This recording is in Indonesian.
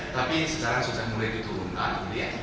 tapi sekarang sudah mulai diturunkan